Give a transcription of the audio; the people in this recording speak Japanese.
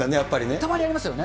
たまにありますよね。